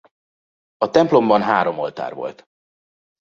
A templomban három oltár volt.